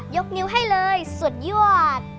ยกนิ้วให้เลยสุดยอด